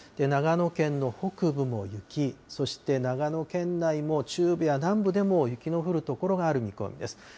長野県の北部も雪、そして長野県内も中部や南部でも雪の降る所がある見込みです。